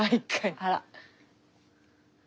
あら。